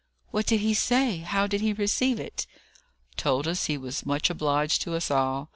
"What did he say? How did he receive it?" "Told us he was much obliged to us all.